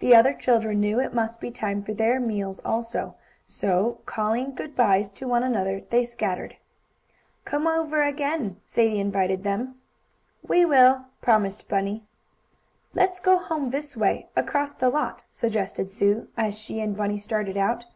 The other children knew it must be time for their meals also, so, calling good byes to one another, they scattered. "Come over again," Sadie invited them. "We will!" promised Bunny. "Let's go home this way, across the lot," suggested Sue, as she and Bunny started out.